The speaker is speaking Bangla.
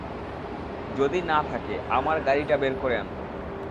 যদি না থাকে, আমার গাড়িরটা বের করে আনব।